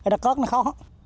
nó khót nó khó